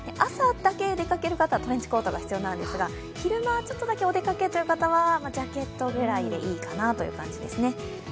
朝だけ出掛ける方、トレンチコートが必要なんですが、昼間、ちょっとだけお出かけという人はジャケットぐらいでいいかなという感じですね。